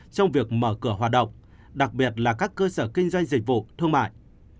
trong việc mở cửa hoạt động đặc biệt là các cơ sở kinh doanh dịch vụ thương mại